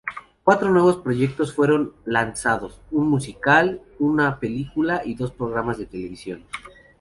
Cuatro nuevos proyectos fueron lanzados: un musical, una película y dos programas de televisión.